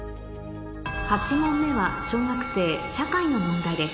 ８問目は小学生社会の問題です